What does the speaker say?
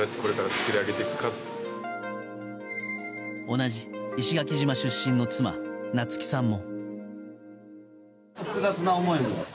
同じ石垣島出身の妻奈津希さんも。